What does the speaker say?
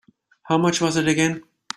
How much was it again?